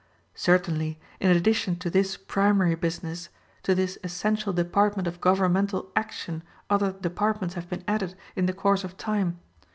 Certainly, in addition to this primary business, to this essential department of governmental action other departments have been added in the course of time.